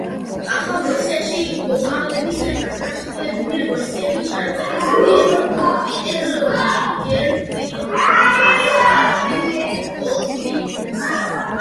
ახალ ვერსიაში ვოკალების განახლებული ვერსიები ჩაწერეს პიტერ გებრიელმა და ფილ კოლინზმა.